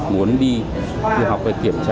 muốn đi du học và kiểm tra